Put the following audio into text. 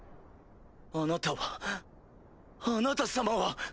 あなたはあなた様は。